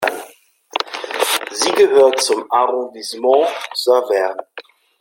Sie gehört zum Arrondissement Saverne.